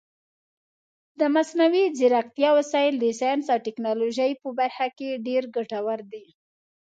د مصنوعي ځیرکتیا وسایل د ساینس او ټکنالوژۍ په برخه کې ډېر ګټور دي.